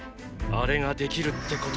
あれができるってこと。